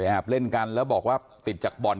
แอบเล่นกันแล้วบอกว่าติดจากบ่อน